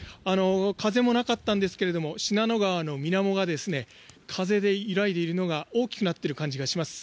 風もなかったんですが信濃川のみなもが風で揺らいでいるのが大きくなっている感じがします。